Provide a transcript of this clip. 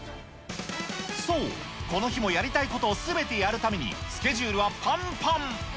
そう、この日もやりたいことすべてやるためにスケジュールはぱんぱん。